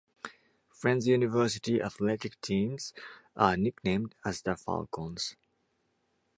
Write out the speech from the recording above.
Friends University athletic teams are nicknamed as the Falcons.